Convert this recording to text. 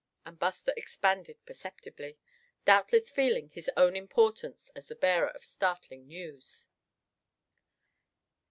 and Buster expanded perceptibly, doubtless feeling his own importance as the bearer of startling news.